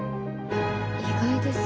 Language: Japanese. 意外です。